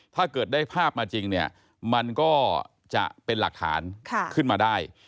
ถ้าเกิดได้ภาพมาจริงเนี่ยมันก็จะเป็นหลักฐานขึ้นมาได้